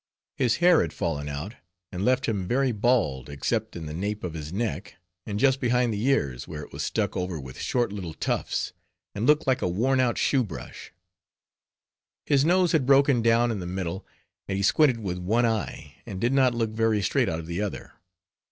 His hair had fallen out, and left him very bald, except in the nape of his neck, and just behind the ears, where it was stuck over with short little tufts, and looked like a worn out shoe brush. His nose had broken down in the middle, and he squinted with one eye, and did not look very straight out of the other.